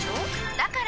だから！